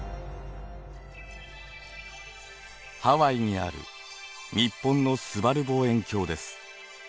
ハワイにある日本のすばる望遠鏡です。